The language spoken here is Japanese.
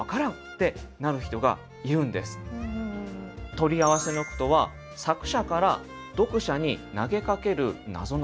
「取り合わせ」の句とは作者から読者に投げかけるなぞなぞ。